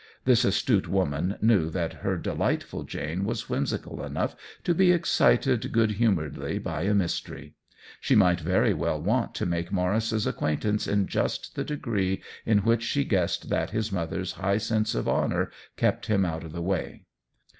This astute woman knew that her delightful Jane was whimsical enough to be excited good humoredly by a mystery ; she might very well want to make Maurice's acquaintance in just the degree in which she guessed that his mother's high sense of honor kept him out of the way.